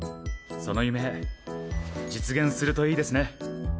その夢実現するといいですね。